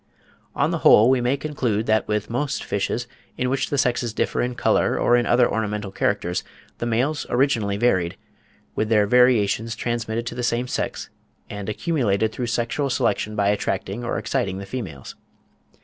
On the whole we may conclude, that with most fishes, in which the sexes differ in colour or in other ornamental characters, the males originally varied, with their variations transmitted to the same sex, and accumulated through sexual selection by attracting or exciting the females.